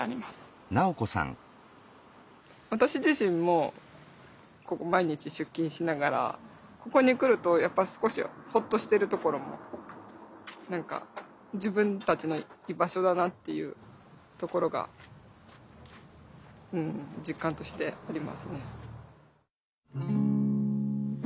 私自身もここ毎日出勤しながらここに来るとやっぱ少しホッとしてるところも何か自分たちの居場所だなっていうところが実感としてありますね。